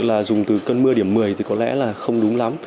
là dùng từ cơn mưa điểm một mươi thì có lẽ là không đúng lắm